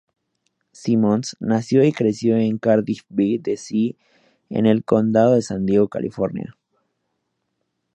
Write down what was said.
Simmons nació y se crió en Cardiff-by-the-Sea, en el Condado de San Diego, California.